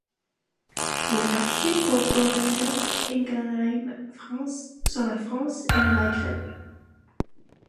Les marchés pour Boehringer Ingelheim France sont la France et le Maghreb.